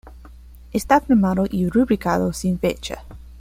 Está firmado y rubricado sin fecha.